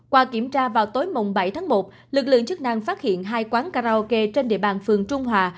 qua kiểm tra vào tối bảy tháng một lực lượng chức năng phát hiện hai quán karaoke trên địa bàn phường trung hòa